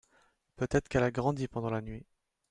peut-être qu'elle a grandi pendant la nuit.